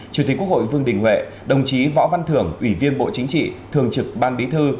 chủ tịch quốc hội vương đình huệ đồng chí võ văn thưởng ủy viên bộ chính trị thường trực ban bí thư